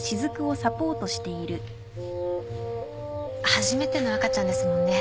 初めての赤ちゃんですもんね。